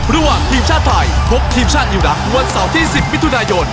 ระหว่างทีมชาติไทยพบทีมชาติอิรักษ์วันเสาร์ที่๑๐มิถุนายน